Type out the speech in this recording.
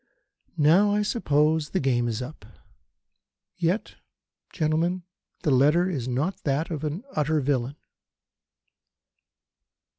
Now, I suppose, the game is up. Yet, gentlemen, the letter is not that of an utter villain."